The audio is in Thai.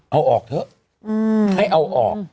เอาออกเถอะให้เอาออก